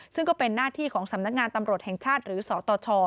ซึ่งก็เป็นหน้าที่ของสำนักงานตำรวจแห่งชาติหรือสตช